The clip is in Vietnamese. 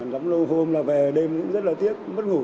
lắm lâu hôm là về đêm cũng rất là tiếc mất ngủ